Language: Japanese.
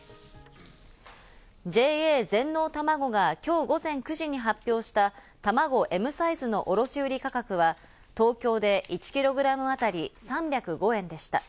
ＪＡ全農たまごが今日午前９時に発表した、たまごＭサイズの卸売価格は、東京で１キログラムあたり３０５円でした。